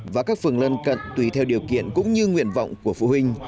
và các phường lân cận tùy theo điều kiện cũng như nguyện vọng của phụ huynh